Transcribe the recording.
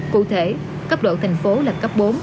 cụ thể cấp độ thành phố là cấp bốn